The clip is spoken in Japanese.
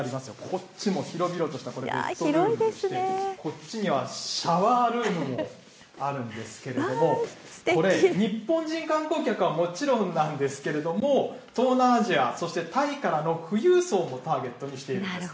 こっちも広々としたルームでして、こっちにはシャワールームもあるんですけれども、日本人観光客はもちろんなんですけれども、東南アジア、そしてタイからの富裕層もターゲットにしているんです。